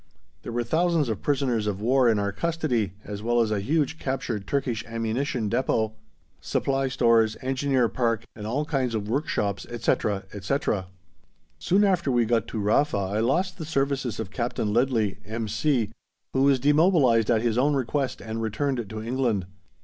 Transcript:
There were thousands of prisoners of war in our custody, as well as a huge captured Turkish ammunition depot, supply stores, engineer park, and all kinds of workshops, etc., etc. [Illustration: "HERE THE TENTS OF ISRAEL WERE PITCHED" (See page 173)] Soon after we got to Rafa I lost the services of Captain Leadley, M.C., who was demobilized at his own request and returned to England.